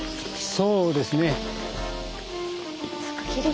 そうですね。